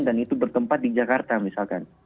dan itu bertempat di jakarta misalkan